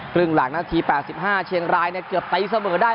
ครึ่งหลังนาที๘๕เชียงรายเกือบตีเสมอได้